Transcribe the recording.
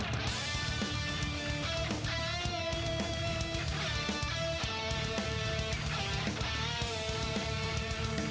ตอนนี้มันถึงมวยกู้ที่๓ของรายการ